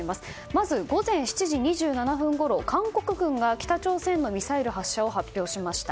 まず午前７時２７分ごろ韓国軍が北朝鮮のミサイル発射を発表しました。